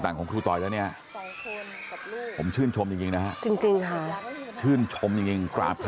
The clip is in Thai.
ถ้าอยากดูแลลูกก็ได้ก็ดูแลตัวเองก่อน